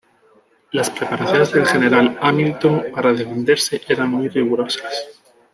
Las preparaciones del general Hamilton para defenderse eran muy rigurosas.